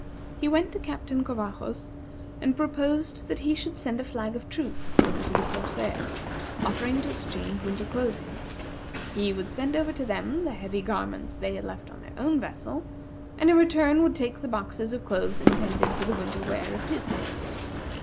He went to Captain Covajos and proposed that he should send a flag of truce over to the corsairs, offering to exchange winter clothing. He would send over to them the heavy garments they had left on their own vessel, and in return would take the boxes of clothes intended for the winter wear of his sailors.